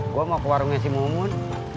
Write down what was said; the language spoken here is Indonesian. gue mau ke warungnya si mumun